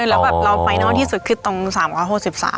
แล้วแบบเราไฟนัลที่สุดขึ้นตรง๓๖๓บาท